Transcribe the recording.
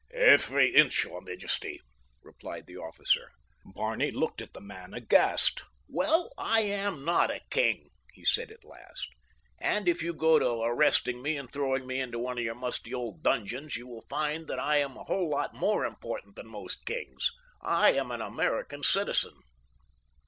"Every inch, your majesty," replied the officer. Barney looked at the man aghast. "Well, I am not a king," he said at last, "and if you go to arresting me and throwing me into one of your musty old dungeons you will find that I am a whole lot more important than most kings. I'm an American citizen."